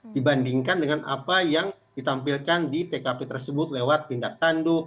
dibandingkan dengan apa yang ditampilkan di tkp tersebut lewat pindak tanduk